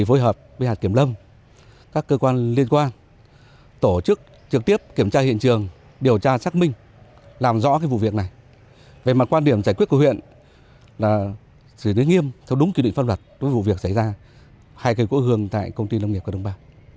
và xử lý nghiêm theo đúng kỷ niệm pháp luật với vụ việc xảy ra hai cây gỗ hương tại công ty lâm nghiệp của đông ba